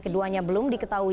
namun dibalik itu